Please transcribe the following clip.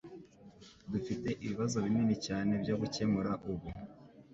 Dufite ibibazo binini cyane byo gukemura ubu.